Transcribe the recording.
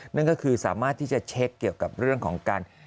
นั่นก็คือสามารถที่จะเช็คเกี่ยวกับเรื่องของการ